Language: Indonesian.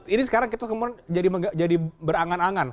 ini sekarang kita kemudian jadi berangan angan